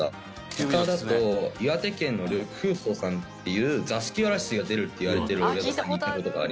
他だと岩手県の緑風荘さんっていう座敷わらしが出るっていわれてるお宿さんに行った事があります。